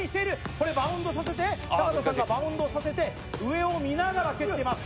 これバウンドさせてバウンドをさせて上を見ながら蹴っています